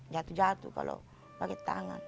jatuh jatuh kalau pakai tangan